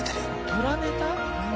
プラネタ？